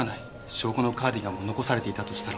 証拠のカーディガンも残されていたとしたら。